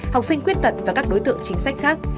học sinh khuyết tật và các đối tượng chính sách khác